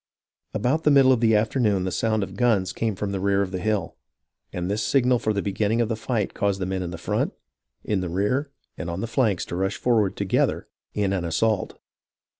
About the middle of the afternoon the souna of suns came from the rear of the hill, and this signal for the be ginning of the fight caused the men in the front, in the rear, and on the flanks to rush forward together in an assault.